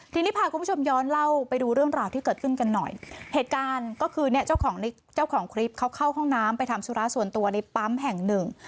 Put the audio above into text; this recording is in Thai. ทีนี้พาคุณผู้ชมย้อนเล่าไปดูเรื่องราวที่เกิดขึ้นกันหน่อยเหตุการณ์ก็คือเนี่ยเจ้าของในเจ้าของคลิปเขาเข้าห้องน้ำไปทำธุระส่วนตัวในปั๊มแห่งหนึ่ง